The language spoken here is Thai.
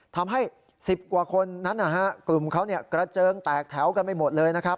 ทำให้๑๐กว่าคนนั้นนะฮะกลุ่มเขากระเจิงแตกแถวกันไปหมดเลยนะครับ